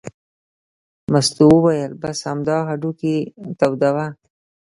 مستو وویل: بس همدا هډوکي تودوه.